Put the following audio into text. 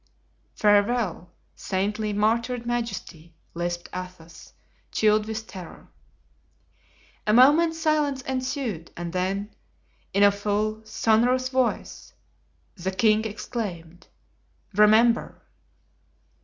"Farewell, saintly, martyred majesty," lisped Athos, chilled with terror. A moment's silence ensued and then, in a full, sonorous voice, the king exclaimed: "Remember!"